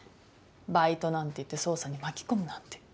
バイトなんて言って捜査に巻き込むなんて。